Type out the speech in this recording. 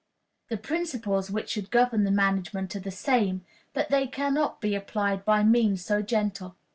The principles which should govern the management are the same, but they can not be applied by means so gentle.